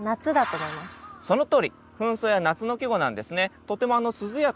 そのとおり！